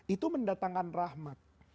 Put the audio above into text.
itu mendatangkan rahmat